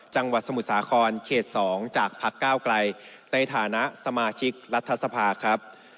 จังหวัดสมุทรสาครเขต๒จากพักก้าวไกลในฐานะสมาชิกรัฐสภาครับ